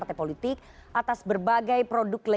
tim liputan cnn indonesia